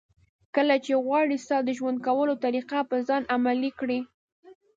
کله چې غواړي ستا د ژوند کولو طریقه په ځان عملي کړي.